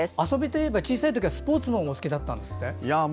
遊びといえば小さいときはスポーツのほうがお好きだったんですって？